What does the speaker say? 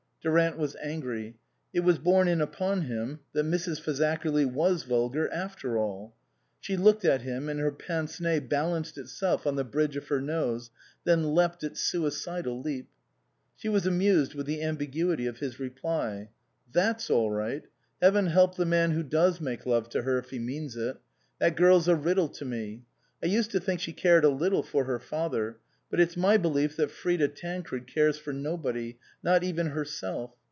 Durant was angry. It was borne in upon him that Mrs. Fazakerly was vulgar after all. She looked at him, and her pince nez balanced itself on the bridge of her nose, then leapt its suicidal leap. She was amused with the ambiguity of his reply. " That's all right. Heaven help the man who does make love to her, if he means it. That girl's a riddle to me. I used to think she cared a little for her father ; but it's my belief that Frida Tancred cares for nobody, not even herself.